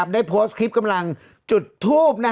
ได้โพสต์คลิปกำลังจุดทูบ